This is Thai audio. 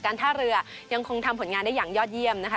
ท่าเรือยังคงทำผลงานได้อย่างยอดเยี่ยมนะคะ